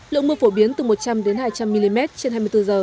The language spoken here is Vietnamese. lượng mưa phổ biến từ một trăm linh hai trăm linh mm trên hai mươi bốn h